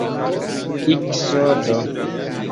iksodo